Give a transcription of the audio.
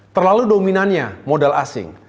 terlalu dominannya modal asing